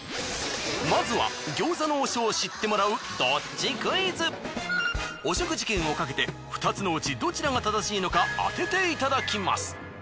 まずは餃子の王将を知ってもらうお食事券をかけて２つのうちどちらが正しいのか当てていただきます。